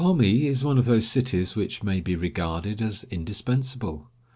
Hami is one of those cities which may be regarded as indispensable.